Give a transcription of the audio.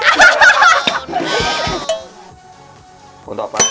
ช่วยทำงานมาก